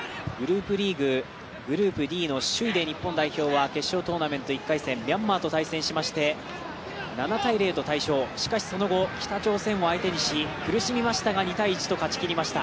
グループリーグ、グループＤの首位で決勝トーナメント１回戦ミャンマーと対戦しまして７−０と大勝、しかしその後北朝鮮を相手にして苦しみましたが２−１と勝ちきりました。